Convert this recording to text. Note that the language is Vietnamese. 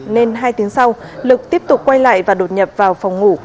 nên hai tiếng sau lực tiếp tục quay lại và đột nhập vào phòng ngủ